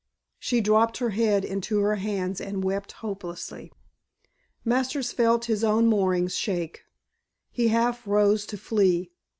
She dropped her head into her hands and wept hopelessly. Masters felt his own moorings shake. He half rose to flee.